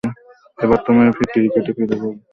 আর এবার তুমি ক্রিটে ফিরে যাবে?